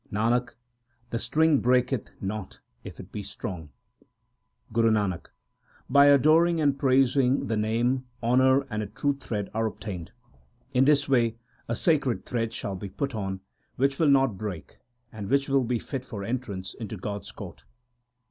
Nanak, the string breaketh not if it be strong. Guru Nanak By adoring and praising the Name honour and a true thread are obtained. In this way a sacred thread shall be put on, which will not break, and which will be fit for entrance into God s court.